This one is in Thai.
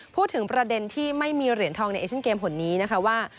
พูดถึงประเด็นที่ไม่มีเหรียญทองในเอเชียนเกมคนนี้นะคะว่า